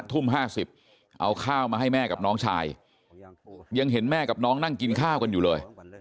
ทุ่ม๕๐เอาข้าวมาให้แม่กับน้องชายยังเห็นแม่กับน้องนั่งกินข้าวกันอยู่เลย